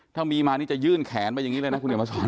ถ้ามีมานี่จะยื่นแขนไปอย่างนี้เลยนะคุณเดี๋ยวมาสอน